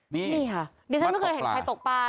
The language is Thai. นี่ค่ะดิฉันไม่เคยเห็นใครตกปลา